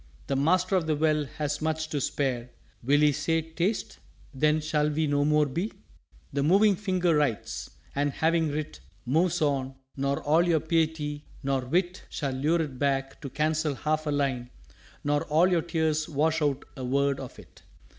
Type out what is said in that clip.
The Master of the Well has much to spare: Will He say, 'Taste' then shall we no more be?" "_The Moving Finger writes; and having writ, Moves on; nor all your Piety nor Wit Shall lure it back to cancel half a line, Nor all your tears wash out a word of it.